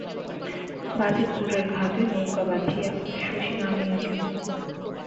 বাজিতপুরের ঘাটে নৌকা বাধিয়া শশী নামিয়া গেল।